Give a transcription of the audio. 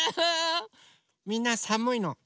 みんなさむいのへいき？